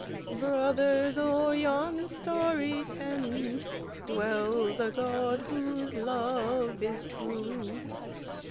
Brothers, o'er yon starry tent Dwells a God whose love is true!"